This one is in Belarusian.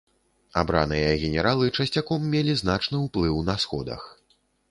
Абраныя генералы часцяком мелі значны ўплыў на сходах.